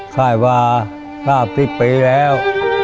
ค่ายวา๕สิบปีแล้ว